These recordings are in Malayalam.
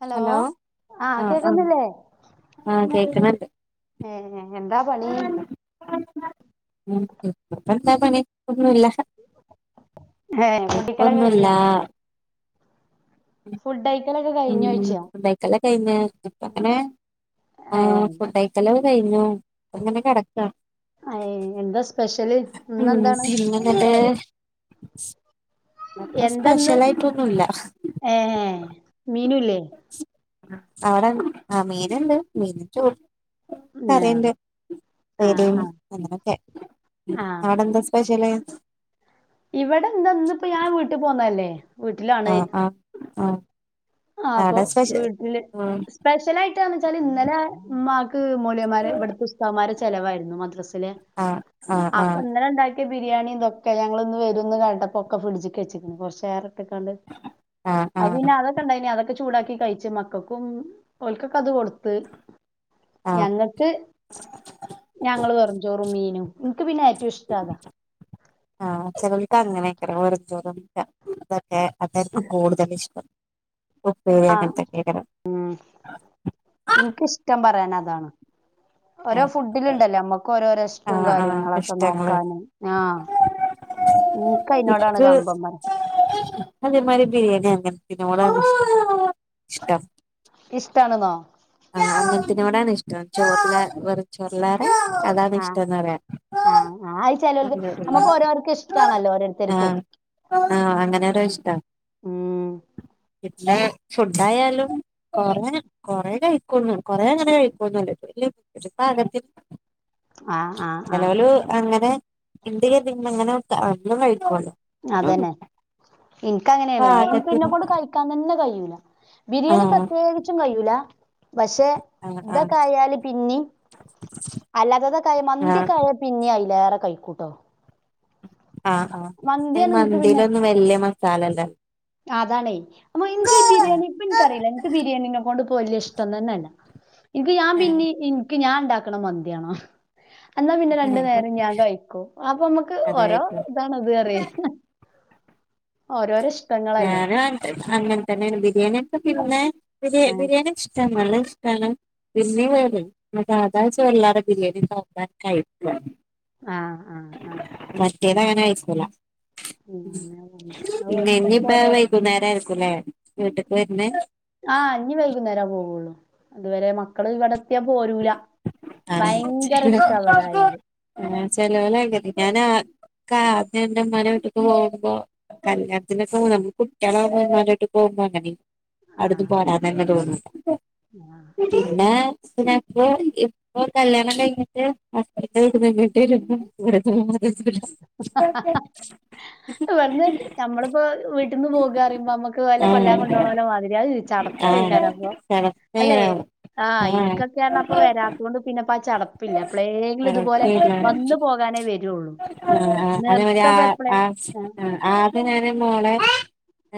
ഹലോ ആ ആഹ് ആഹ് കേക്കുന്നില്ലേ? [unintelligible] ഏ എന്താ പണി? [inaudible] ഏ ഫുഡിക്കലൊക്കെ ഇപ്പൊന്നുല്ലാ ഫുഡഴ് ഉം ഫുഡൈക്കലൊക്കഴ്ഞ്ഞ് അപ്പൊപ്പിന്നെ ആ ഏ ഫുഡൈക്കല് കഴ്ഞ്ഞു പ്പൊങ്ങനെ കിടക്കാ അയ് എന്താ സ്പെഷ്യല് ഉം ഇന്നെന്താണ് പിന്നന്നട്ട് പ്പൊ എന്താന്ന് സ്പെഷ്യൽ ആയിട്ടൊന്നുല്ല ഏ മീനുല്ലേ അവിടെ ആ മീനുണ്ട് മീൻ ചു ആഹ് കറിണ്ട് പ്പേരിം ആഹ് ആഹ് അങ്ങനൊക്കെ ആഹ് അടെന്താ സ്പെഷ്യല്? ഇവിടെ എന്താ ഇന്ന്പ്പോ ഞാൻ വീട്ടിൽ പോന്നല്ലേ വീട്ടിലാണ് ആഹ് ആഹ് ആഹ് ആ അപ്പൊ അവിടെ സ്പെഷ്യൽ വീട്ടില് സ്പെഷ്യലായിട്ട് വെച്ചാല് ഇന്നലെ മ്മാക്ക് മോല്യമാരെ ഇവിടുത്തെ ഉസ്താമാരെ ചെലവായിരുന്നു മദ്ര ആഹ് ആഹ് അപ്പൊ ആഹ് ന്നലെ ണ്ടാക്ക ബിരിയാണിം നാദമ ഞങ്ങളിന്ന് വരുംന്ന് കണ്ടപ്പോക്കെ ഫ്രിഡ്ജ്ക്കെച്ച്ക്ക്ണ് പക്ഷേ ക്കാണ്ട് ആഹ് അപ്പൊ ആഹ് പിന്നെ അത അതൊക്കെ ചൂടാക്കി കഴിച്ച് മക്കക്കും ഓൽക്ക് ക്കത് കൊടുത്ത് ആഹ് ഞങ്ങക്ക് ഞങ്ങള് പറഞ്ഞു ചോറും മീനും ൻക്ക് പിന്നെ ഏറ്റവും ഇഷ്ടതാ ആഹ് ചെലോൽക്ക് അങ്ങനെക്കാരം വെറുംചോറ പിടിക്ക [unintelligible] അതായിരിക്കും കൂടുതൽ ഇഷ്ടം. ഉപ്പേരി ആ അങ്ങനത്തൊക്കെയ്ക്കാരം ഉം ഇൻക്ക്ഷ്ടം പറയാൻ അ താണ്. ഓരോ ഫുഡില് ഇണ്ടല്ലോ അമ്മക്ക് ഓരോരോ ഇ ഷ്ടോം ആഹ് ആഹ് കാര്യങ്ങളൊക്കെ ഇഷ്ടങ്ങള് നോക്കാന് ആ ഇക്ക് അതേമാരി ബിരിയാണി ണ് ൻത്തിനോടാണ് ഇഷ് ഇഷ്ടം. ഇഷ്ടാണ്ന്നോ ആ അങ്ങൻത്തിനോടാണ് ഇഷ് ടം. ചോറ്ല്ലാതെ വെറും ചോറ്ല്ലാതെ അതാണ് ഇഷ് ആ അയി ചെലോൽക്ക് അമ്മക്ക് ഓരോർക്കും ഇഷ്ടാണല്ലോ ഓരോരുത്തർക്കും. ആഹ് ആഹ് അങ്ങനൊരു ഇഷ്ട. ഉം പിന്നെ ഫുഡ് ആയാലും കൊറെ കൊറെ കഴിക്കൊന്നു കൊറേ അങ്ങനെ കഴിക്കൊന്നുല്ല ഇപ്പോ വല്ല്യ [inaudible] [unintelligible] ആഹ് ആഹ് ആഹ് ചെലോല് അങ്ങനെ ഇണ്ട് കരുതി അധികം കഴിക്കു അല്ലോ അതെന്നെ ഇൻക്ക് അങ്ങനെയാണ്. ഇൻക്ക് പാകത്തിന് ഇന്നെകൊണ്ട് കഴിക്കാൻ തന്നെ കയ്യൂല. ബിരിയാണി ആഹ് പ്രത്യേകിച്ചും കയ്യൂല. പക്ഷെ ആഹ് ആഹ് ഇതൊക്കെ ആയാല് പിന്നിം അല്ലാത്തതൊക്കെ ആയ മന്തി ആഹ് ഒക്കെ ആയ പിന്നിം അയിലേറെ കൈക്കൂട്ടോ. ആഹ് ആഹ് അയിന് മന്തിലൊന്നും വല്ല്യ മസാലല്ല. ആ അതാണേ അപ്പോ ഇൻക്ക് ഈ ബിരിയാണി ഇപ്പോ ഇൻക്കറീല ഇൻക്ക് ബിരിയാണിനെകൊണ്ട് ഇപ്പോ വല്ല്യ ഇഷ്ടം തന്നല്ല. ഇൻക്ക് ഞാൻ ഏഹ് പിന്നിം ഇൻക്ക് ഞാൻ ഇണ്ടാക്ക്ണ മന്തി വേണം. അന്നാ പിന്നെ രണ്ട് നേരം ഞാൻ കഴിക്കും. അപ്പൊ അമ്മക്ക് ഓരോ അതായിരിക്കും ഇതാണത് അറിയെ. ഓരോരോ ഇഷ് ഞാനും അ അങ്ങനെതന്നെയാണ് ബിരിയാണിയൊക്കെ പിന്നെ ബിരി ഏഹ് ബിരിയാണി ഇഷ്ട [unintelligible] ഇഷ്ടാണ്. പിന്നെ വെറും സാദാ ചോറ് ഇല്ലാതെ ബിരിയാണി [unintelligible] കഴിക്കോള്ളൂ. ആഹ് ആഹ് ആഹ് മറ്റേതങ്ങനെ കയ്ക്കൂല. ഉം അങ്ങനെ പോന്ന് അത് ഓരോരുത്തർക്ക് വരാൻ വൈകുന്നേരം ആയിരിക്കുംല്ലേ വീട്ട്ക്ക് വര്ന്നേ? ആഹ് ഇനി വൈകുന്നേര പോവുള്ളൂ അതുവരെ മക്കള് ഇവിടെ എത്തിയ പോരൂല. ആഹ് ഭയങ്കര പിന്നാ ഇഷ്ടാ ഇവിടായാല് ഈഹ് ചേലോല് അങ്ങനെയ ഞാനാ ഇക്ക് ആദ്യം ഇന്റെ ഉമ്മാൻ്റെ വീട്ട്ക്ക് പോകുമ്പോ കല്യാണത്തിനൊക്കാ പോവും നമ്മള് കുട്ടിയളാവുമ്പോ ഉമ്മാൻ്റെ വീട്ട് പോവ്മ്പോ അങ്ങനെയ്ന്. ആഹ് അവിട്ന്ന് ആഹ് പോരാൻ തന്നെ തോന്നൂല പിന്നെ പിന്നെപ്പോ ഇ പ്പോ കല്യാണം കഴിഞ്ഞിട്ട് ഹസ്‌ബൻ്റിൻ്റെ വീട്ട്ന്ന് ഇങ്ങോട്ട് വരുമ്പോ ഇവിടെ തോന്ന്ണ്. [inaudible] ഇവട്ന്ന് നമ്മളിപ്പോ വീട്ട്ന്ന് പോകാറയുമ്പോ അമ്മക്ക് ഓലെ കൊല്ലാൻ ആഹ് കൊണ്ടോണോലെ മാതിരിയാ [unintelligible] ചട ആഹ് പ്പേക്കാരം അപ്പോ അല്ലെ കണക്കെന്നെയാണ് ആ ആഹ് ഇൻക്കൊക്കെറഞ്ഞ അപ്പോ വരാത്തൊണ്ട് പിന്നെ ഇപ്പ ആ ചടപ്പില്ല. അപ്പളേങ്കിലും ഇതുപോലെ കണക്കെന്നെയാണ് വന്ന് പോകാനേ വെരൂള്ളൂ. ആ ആ അതേമാരി ആ ആ ആഹ് ആ ആദ്യം ഞാന് മോളെ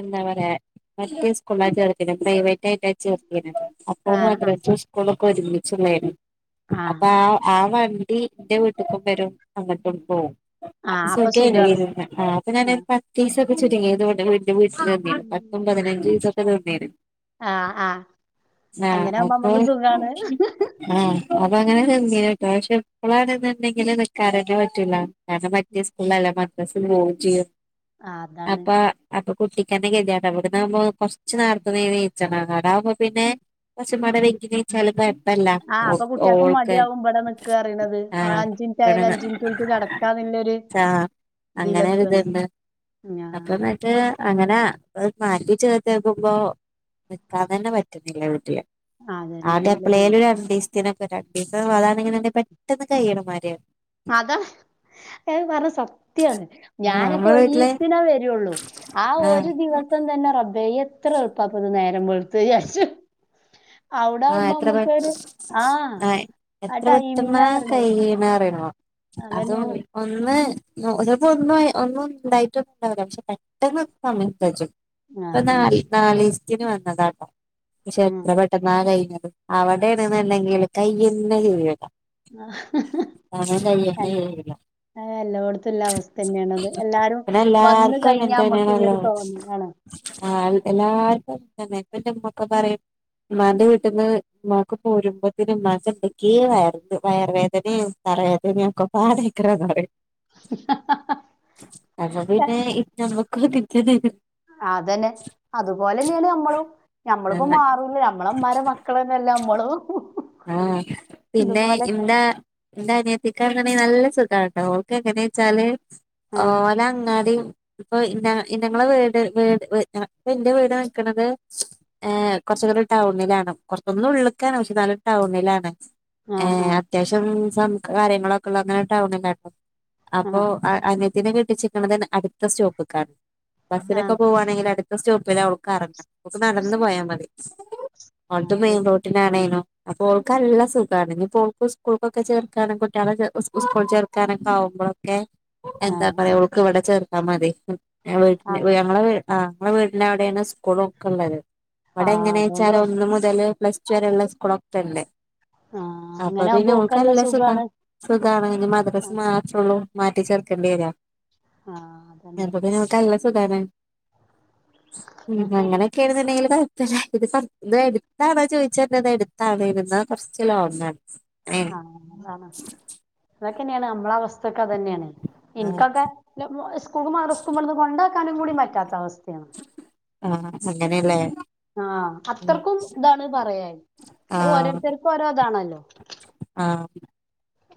എന്താ പറയ മറ്റേ സ്കൂൾല ചേർത്തിനെ പ്രൈവറ്റ് ആയിട്ടാ ചേർത്തീനത്. അപ്പോ ആഹ് ആഹ് മദ്രസും സ്കൂളൊക്കെ ഒരുമിച്ചുള്ളേർന്നു ആഹ് അപ്പോ ആ ആ വ ണ്ടി ഇന്റെ വീട്ട്ക്കും വരും അങ്ങട്ടും പോവും. അപ്പോ ആഹ് അപ്പൊ സുഖേനു സുഖാണ് വെരുന്നെ ആ അപ്പോ ഞാനൊരു ആഹ് പത്തീസൊക്കെ ചുരുങ്ങിത് ഇവിടെ വീ ഇൻ്റെ വീട്ടില് നിന്നീർന്നു. പത്തും പതിനഞ്ചീസൊക്കെ നിന്നീനു. ആഹ് ആഹ് ആ അങ്ങനെ ആകുമ്പോ അപ്പോ നമ്മക്ക് സുഖാണ് ആ അപ്പ അങ്ങനെ നിന്നീനുട്ടോ. പക്ഷെ ഇപ്പളാണ്ന്ന്ണ്ടെങ്കില് നിക്കാനൊന്നും പറ്റൂല. കാരണം മറ്റേ സ്കൂളിലല്ല മദ്രസ് പോവും ചെയ്യും. ആഹ് അതാണ് അപ്പ അപ്പോ കുട്ടിക്കെന്നെ ഗതികേടാവും. ഇവ്ട്ന്നാവുമ്പോ കൊറച്ച് നേരത്തെ നീ നീച്ചണം ആടാകുമ്പോ പിന്നെ കൊറച്ചുംപാടെ വൈകി നീച്ചാലും കൊഴപ്പല്ല ആഹ് ഓ അപ്പൊ കുട്ട്യാക്കും ഓൾക്ക് ആഹ് ഇൻക്കായാലും, ഇവിടെന്ന് അഞ്ചിനിറ്റു കെടക്കാന്ന്ള്ളൊരു ആ അങ്ങനെ ഇതിലെത്തു അല്ലോ. ഒരിതുണ്ട് ഞാ അപ്പൊ എന്നിട്ട് അങ്ങനെ മാറ്റി ചേർത്ത്യേക്കുമ്പൊ നിക്കാതന്നെ പറ്റ്ണില്ല വീട്ട്ല് ആടെ അതന്നെയാണ്ല്ലത്. എപ്പ്ളേലും രണ്ടീസ് ത്തിനൊക്കെ രണ്ടീസം അതാണെ ഇങ്ങനെ പെട്ടന്ന് കയ്യ്ണ മാരി അതാഹ് ഏഹ് പറഞ്ഞ സത്യാണ് ആഹ് ഞാനൊക്കെ നമ്മളെ വീട്ടില് ഒരീസ്തിന വരൊള്ളു ആഹ് ഒര് ദിവ സം തന്നെ റബ്ബെ എത്രള്പ്പാപ്പത് നേരം വെള്ത്ത് ചാച്ചും ആഹ് എത്ര പെ ആഹ് ആ എത്ര പെട്ടെന്ന ടൈമിങ്ങാ പറയണേ കയ്യ്ണറ അതും അതന്നെയാണ് ഒന്ന് ചെലപ്പൊ ഒന്ന് ഒന്നും ഇണ്ടായിറ്റൊ ന്നുണ്ടാവില്ല പഷെ പെട്ടന്ന് സമയം കജ്ജും ആഹ് ഇപം അതന്നെ നാല് നാലീസ്തിന് വന്നതാട്ടൊ പഷെ എത്ര പെട്ടെന്നാ കഴിഞ്ഞത് അവിടേണ്ന്ന്ണ്ടങ്കില് കയ്യ്യന്നെ ചിയ്യൂല ആഹ് സമയം കയ്യെന്നെ [unintelligible] ആഹ് എല്ലോട്ത്തില്ല അവസ്ഥെന്നേണത് എല്ലാരും പിന്നെ വന്ന് എല്ലാർക്കും കഴിഞ്ഞാ മ്മക്ക്ള്ളൊരു തോന്നലാണ് ആഹ് എല്ലാർക്കും [unintelligible] പറയും ഉമ്മാന്റെ വീട്ട്ന്ന് ഉമ്മാക്ക് പോരുമ്പത്തിന് ഉമ്മാക്ക് എന്തെക്കേ വയറ് വയറ് വേദനെ വേദന ഒക്കെപ്പാടെയ്ക്കാരം പറയും അത് കൊണ്ട് പിന്നെ ഇ ഞമക്ക് [unintelligible] അതന്നെ അത്പോലെന്നേണ് ഞമ്മളും തന്നെ ഞമ്മളിപ്പൊ ആ മാറും ഞമ്മളമ്മാരെ മക്കളെന്നല്ലെ ഞമ്മളും ആഹ് പിന്നെ ഇന്താ ഇന്റാ അനിയത്തിക്കാണ്ന്ന ണ്ടങ്കി നല്ല സുഖാണ് ട്ടോ എങ്ങനെച്ചാല് ആഹ് ഓലങ്ങാടി ഇപ്പൊ ഞാ ഞങ്ങളെ വീട് വീട് വ് ഇന്റെ വീട് നിക്കണത് ഏ കൊ ച്ച് ടൗണിലാണ് കൊറ് ഒന്ന് ഉള്ള്ക്കാണ് പഷെന്നാലും ടൗണിലാണ് ആഹ് ഏഹ് ആഹ് അത്യാവശ്യം സം കാര്യങ്ങളൊക്കെ ഉള്ളുങ്ങനെ ടൗണില അപ്പൊ ആഹ് അന്യയത്തിനെ കെട്ടിച്ച്ക്ക്ണത് അട്ത്ത സ്റ്റോപ്പിക്കാണ് ബസ്സിനൊക്കെ ആഹ് പോവാണെങ്കില് അടുത്ത സ്റ്റോപ്പിലവൾക്കെറങ്ങ ഓക്ക് നടന്ന് പോയാ മതി ഓട്ടും മെയിൻ റോട്ടിനാണേനും അപ്പൊ ഓൾക്കല്ല സുഖാണ് ഞിപ്പൊ ഓൾക് സ്കൂൾകൊക്കെ ചേർത്താണെ കുട്ടീളെ സ്കൂൾ ചേർത്താനൊക്കെ ആകും മ്പോളെക്കെ ആഹ് എന്താ ആഹ് പറയ ഓൾക് ഇവടെ ചേർത്താ മതി വീട്ട് ആഹ് ഞങളെ വീ ആഹ് ഞങളെ വീട്ട്ന്റവ്ടേണ് സ്കൂളൊക്കെ ഇള്ളത് ഇവടെ ആഹ് എങ്ങനെച്ചാല് അതോണ്ടോ ഒന്ന് മുതല് പ്ലസ് ടു വരെള്ള സ്കൂളൊക്കെ അല്ലെ ആഹ് അപ്പ പിന്നെ അങ്ങനാവുമ്പോ ഓക്കല്ല ഓൾക്കല്ല സുഖാ സുഖാണ്. സുഖാണ് മദ്രസ് ആഹ് മാത്രൊള്ളു മാറ്റിച്ചേർത്തേണ്ടിരൊ അതന്നെ അപ്പ പിന്നെ ഓൾക്കല്ല സുഖാണ് ഉം അങ്ങനെക്കേണ് ന്ന്ണ്ടങ്കില് കയി ഇത് എട്ത്താണൊ ചോദിച്ചെ ഇത് എടുത്താണ് കൊറച്ച് ലോൺങാണ് ആഹ് അതാണ് അതൊക്കെന്നേണ് അമ്മളവസ് അതെന്നേണ് ആ ഇന്ക്കതെ സ്കൂൾകും മദ്റസികും ഇവിടുന്ന് കൊണ്ടാക്കാനും കൂടി പറ്റാത്ത അവസ്ഥ ആഹ് അങ്ങനേല്ലെ ആഹ് അത്രക്കും ഇതാണ് പറയെ ആ ഔ ഓരോരുത്തർക്ക് ഓരോതാണല്ലൊ ആ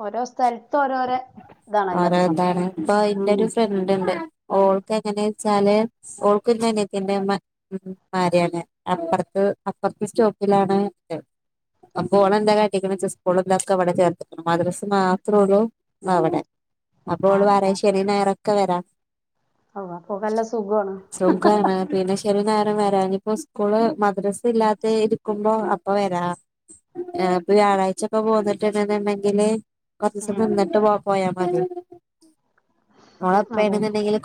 ഓരോ സ്ഥെല്ത്ത് ഓരോരെ ഓരോതാണ് ഇപ്പൊ ഇന്റൊരു ഫ്രണ്ട്ണ്ട് ഓൾക്ക് എങ്ങനെച്ചാല് ഓൾക്കിനയിത്തിന്റെ ഉം മാരിയാണ് അപ്പ്റത്ത് അപ്പ്റത്ത് സ്റ്റോപ്പിലാണ് അപോളന്താകാട്ടിക്ണെച്ച സ്കൂളിലൊക്കവടെ ചേർത്തിക്ക്ണെ മദ്രസ് മാത്രൊള്ളു അവടെ അപ്പോള് ആഹ് പറിം ശനിം ഞായറൊക്കെ വര ആഹ് അപ്പൊക്കല്ല സുഖാണ് സുഖാണ് പിന്നെ ശനി ഞായറും വ വരാനിപ്പൊ സ്കൂള് മദ്രസ് ഇല്ലാത്ത ഇരിക്കുമ്പൊ അപ്പൊ വരാ ഏ ഇപ്പൊ വ്യാഴാഴ്ച്ച ഇപ്പ പോന്നിട്ട്ണ്ട്ന്ന്ണ്ടെങ്കില് കുറച്ചൂസം നിന്നിട്ട് പോ പോയാ പറതി അതെ ഓളപ്പണെന്നുണ്ടെങ്കിൽ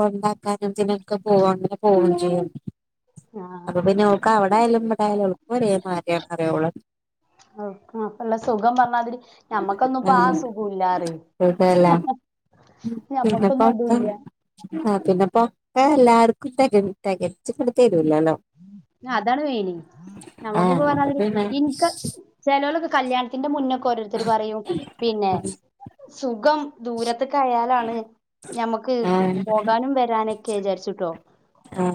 കൊണ്ടാക്കാനും തിനൊക്കെ പോവ പോവും ചെയ്യും അപ്പൊ പിന്നെ ആഹ് ഓൽക്ക് അവിടായാലും ഇവിടായാലും [unintelligible] ആ അല്ല സുഖം പറഞ്ഞാതിരി ഞമ്മക്കൊന്നും ഇപ്പ ആ ആഹ് സുഖൂല്ലാറെ [inaudible] ഞമ്മക്കൊന്നും അതുല്ല ഒക്കെ എല്ലാർക്കും തക തകച്ചി [unintelligible] അതാണ് മേയ്ന് ആഹ് നമ്മുക്കിപ്പോ അപ്പൊ പറഞ്ഞാതിരി പിന്നെ ഇൻക്ക് ചേലോലൊക്കെ കല്യാണത്തിന്റെ മുന്നൊക്കെ ഓരോരുത്തര് പറയും പിന്നെ ക്കം ദൂരത്ത്ക്ക് ആയാലാണ് ഞമ്മുക്ക് ആഹ് പോകാനും വരാനൊക്കെ വിചാരിച്ചിട്ടോ ആഹ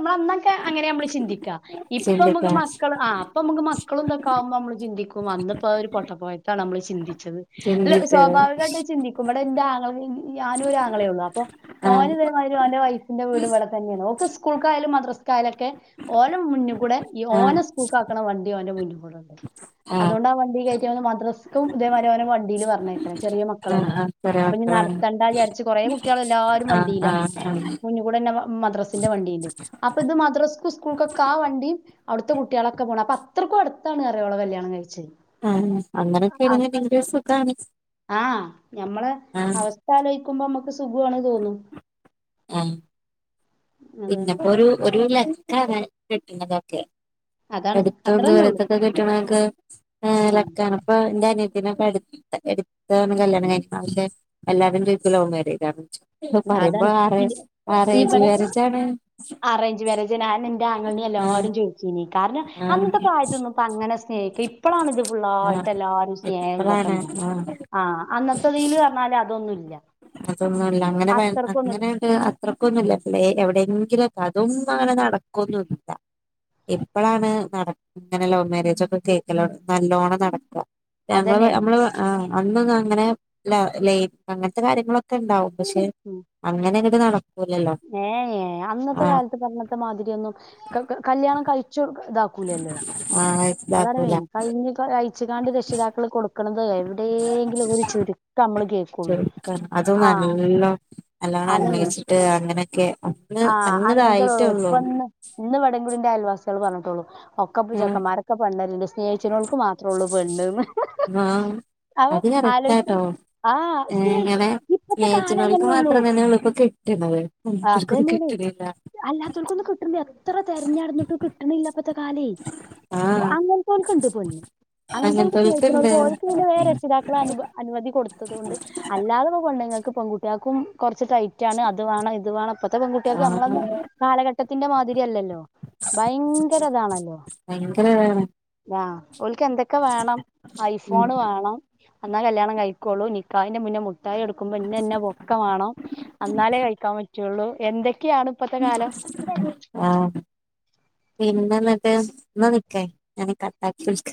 മ്മളന്നൊക്കെ അങ്ങനെയ മ്മ്ള് ചിന്തിക്ക ഇപ്പം മ്മക്ക് ചിന്തിക്കാം മക്കള് ആ ഇപ്പമ്മക്ക് മക്കളന്തൊക്കാവുമ്പോ മ്മള് ചിന്തിക്കും പ്പോ വന്നപ്പോ ഒരു പൊട്ട പോയത്താണ് നമ്മള് ചിന്തിച്ചത് അല്ല ചിന്തിച്ചത് സ്വാഭാവികായിട്ട് ചിന്തിക്കും ഇവടെന്റെ ആങ്ങ ഞാനൂ ഒരാങ്ങളെയെള്ളൂ അപ്പോ ഓന് ആഹ് ഇതേമാരി ഓന്റെ വൈഫിന്റെ വീട് വിടെ തന്നെയാണ് ഓക്ക് സ്കൂള് മദ്രസ്‌കയാലൊക്കെ ഓലെ മുന്ന് കൂടെ ഈ ആഹ് ഓന സ്ക്കൂക്കാക്കണ വണ്ടി ഓന്റെ മുന്ന് കൂടെ പോവും ആഹ് അതോണ്ട് ആ വണ്ടി കയറ്റാണ്ട് മദ്രസക്കും ഇതേമാതിരി വണ്ടിയില് പറഞ്ഞേക്കണ ചെറിയ ആഹ് മക്കളല്ലേ ആഹ് ചെറിയ അപ്പൊനി മക്കളാണ് നടത്തണ്ട വിചാരിച്ച് കൊറെ കുട്ട്യേള് എല്ലാരും ആഹ് വണ്ടീലാണ് ആഹ് ആഹ് മുന്ന്കൂടെന്നെ മദ്രസ്സിന്റെ വണ്ടിണ്ട് അപ്പൊ ഇത് മദ്രസ്ക്കു സ്കൂൾക്കൊക്കെ ആ വണ്ടിയും അവട്ത്തെ കുട്ട്യേളൊക്കെ പോണെ അത്രക്കും അടുത്താണറിയ ഓളെ കല്യാണം കഴിച്ചെ ആഹ അങ്ങനൊക്കൊണെ സുഖാണ് ആഹ് ഞമ്മള് ആഹ് അവസ്ഥ ആലോയ്ക്കുമ്പോമ്മക്ക് സുഖവാണ് തോന്നു ആഹ് അതാണ് പിന്നെപ്പോ ഒരു ഒരു ലക്കാണ് കിട്ടുന്നതൊക്കെ അതാണ് എടുത്ത് അത്രന്നെ ഉള്ളു ദൂരത്തൊക്കെ കിട്ടണക്ക് ആഹ് ലക്കാണ് അപ്പൊ ന്റെ അനിയ നെ ഒക്കെ എടു എടുത്താണ് കല്യാണം കഴിഞ്ക്കണേ എല്ലാവരും വിചാര്ക്കും ലവ് മാര്യേജാന്ന് പറയുമ്പോ അതാണ് ആറെ ഇവിടെ ആറേജുമാരേജ അറേഞ്ച് മാര്യേജ്ന്നെ അന്നെ ന്റെ ആങ്ങൾന്റെ ആഹ് എല്ലാരും ചോയ്ച്ചീനി കാരണം അന്നത്തെ ആഹ് പ്രായത്തൊന്നും ഇപ്പങ്ങനെ സ്നേഹിക്കി ഇപ്പളാണ് ഇത് ആഹ് ഫുള്ളായിട്ട് എല്ലാരും സ്നേഹംതൊക്കെ ഇപ്പളാണ് ഉണ്ടാ ആഹ് ആ അന്നത്തതിൽ പറഞ്ഞാല് അതൊന്നുല്ല്യ അതൊന്നുംല്ല അങ്ങനെ അങ്ങനണ്ട് അത്രക്കൊന്നുല്ല എവിടെയെങ്കില അതും അങ്ങനെ നടക്കൊന്നുല്ല ഇപ്പളാണ് നട ഇങ്ങനെ ലവ് മാരേജൊക്കെ കേക്കലോ നല്ലോണം നടക്ക ഞമ്മള് അതന്നെയാണ് അമ്മള് ആ അന്നൊന്ന് അങ്ങനെ ല്ല അങ്ങനത്തെ കാര്യങ്ങളൊക്കെ ഇണ്ടാവും പക്ഷെ ഉം അങ്ങനെ ഇങ്ങട്ട് നടക്കൂല ഏ ഏ അന്നത്തെ കാലത്ത് ഇന്നത്തെ മാതിരിയൊന്നും ക ക കല്യാണം കഴി ച്ചൊ ഇതാക്കൂലല്ലൊ ആ അതാണ് ഇതാക്കൂല കഴിഞ്ഞ കഴിച്ചുകാണ്ട് രക്ഷിതാക്കള് കൊടു ക്കലും എവിടെയെങ്കിലും ഒരു ചുരുക്കം നമ്മള് കേൾക്കുള്ളൂ ചുരുക്ക അതും ആഹ നല്ലോ നല്ലോണം അന്യേഷിച്ചിട്ട് അങ്ങനെയൊക്കെ അന്ന് ആഹ അന്ന് അങ്ങനത്തെ ഇതായിട്ടേ ഉള്ളൂ ഒപ്പ ഇന്ന് ഇന്ന്ട ന്റെ ആയൽവാസികൾ പറഞ്ഞിട്ടുള്ളു ഒക്കെപ്പ ആ ചക്കമാരൊക്കെപെണ്ണല്ല്യെ സ്നേഹിച്ണോൽക്ക് മാത്രോള്ളൂ പെണ്ണന്ന് ആഹ അത് കറക്റ്റാട്ടോ ആഹ് ഏ സ്നേഹിക്കും ഇങ്ങനെ ഇപ്പത്തെ സ്നേഹിച്ചി കാലം നോൽക്ക് അങ്ങനെയുള്ളൂ മാത്രം ങ്ങ്ന്നെ കിട്ട്ണ അത് തന്നെയാണ് അല്ലാത്തവർക്കൊന്നും കിട്ടണല്യ എത്ര തെരഞ്ഞടന്നുട്ട് കിട്ടണില്ലപ്പത്തെ കാലേ ആഹ് അങ്ങനത്തോൽക്ക്ണ്ട് പെണ്ണ് അങ്ങനെതോൽക്ക് അങ്ങൻത്തോൽക്ക്ണ്ട് ഓൽക്ക് പിന്നെ വേ രക്ഷിതാക്കള അനുവതി കൊടുത്തതോണ്ട് അല്ലാതെപ്പം പെണ്ണ്ങ്ങൾക്ക് പെൺകുട്ട്യേ ക്കും കുറച്ച് ടൈറ്റാണ് അത് വേണം ഇത് വേണം ഇപ്പഴത്തെ പെൺകുട്ടിയാക്ക് ആഹ് നമ്മളൊന്ന കാലഘട്ടത്തിന്റെ മാതിരിയല്ലല്ലോ ഭയങ്കര ഇതാണല്ലോ ഭയങ്കര ഇതാണ് ആ ഓൽക്ക് എന്തൊക്കെ വേണം ഉം ഐഫോണ് വേണം എന്നാ കല്യാണം കഴിക്കോളൂ നിക്കാന്റെ മുന്നേ മു ട്ടായി എടുക്കുമ്പോ ഇന്നന്നെ വൊക്കമാണോ എന്നാലേ കഴിക്കാൻ പറ്റുള്ളൂ എന്തൊ ക്കെയാണ് ഇപ്പത്തെ കാലം പിന്നെ എന്നിട്ട് ഇന്ന് നിക്ക ഞാനേ കട്ടാക്കി വിളിക്ക